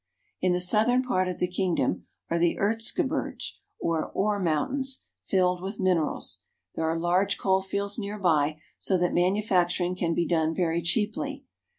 In the southern part of the kingdom are the Erzgebirge, or ore mountains, filled with minerals. There are large coal fields near by, so that manufacturing can be done very cheaply.